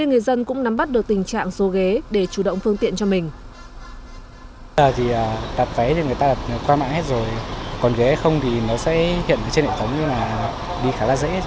nên người dân cũng nắm bắt được tình trạng xô ghế để chủ động phương tiện cho mình